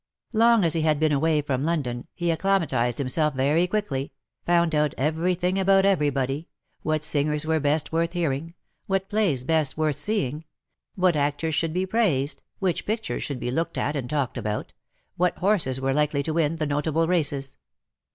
Long as he had been away from London, he acclimatized himself very quickly — found out every thing about everybody — what singers were best worth hearing — what plays best worth seeing — what actors should be praised — which pictures should be looked at and talked about — what horses were likely to win the notable races.